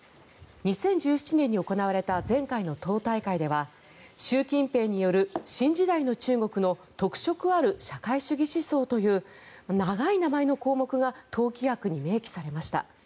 ２０１７年に行われた前回の党大会では習近平による新時代の中国の特色ある社会主義思想という長い名前の項目が党規約に明記されました。